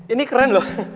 ini keren loh